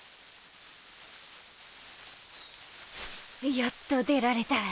やっと出られたぁ。